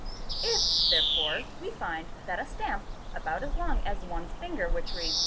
If therefore we find that a stam about as long as one's finger which reads, e.